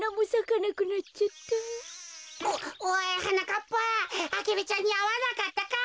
かっぱアゲルちゃんにあわなかったか？